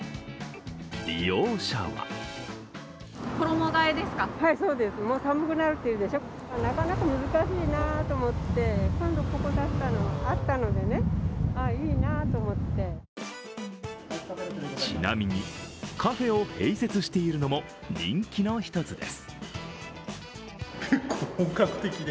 利用者はちなみに、カフェを併設しているのも人気の一つです。